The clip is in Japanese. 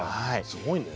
すごいね。